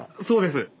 そうです。